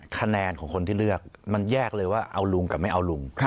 คะแนนของคนที่เลือกมันแยกเลยว่าเอาลุงกับไม่เอาลุง